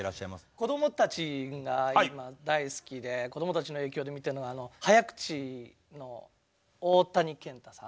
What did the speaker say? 子供たちが今大好きで子供たちの影響で見てるのが早口の大谷健太さん。